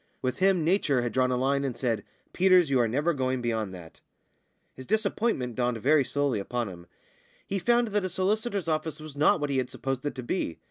With him Nature had drawn a line, and said, "Peters, you are never going beyond that." His disappointment dawned very slowly upon him. He found that a solicitor's office was not what he had supposed it to be.